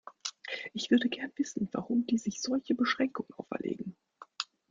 Ich würde gerne wissen, warum die sich solche Beschränkungen auferlegen.